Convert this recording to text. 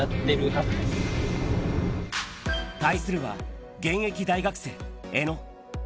対するは、現役大学生、江野。